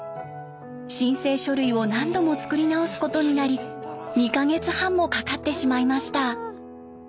申請書類を何度も作り直すことになり２か月半もかかってしまいました。